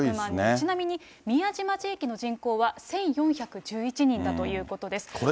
ちなみに宮島地域の人口は、１４１１人だということです。